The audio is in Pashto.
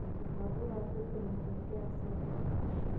د خبرو ادب د ملګرتیا اساس دی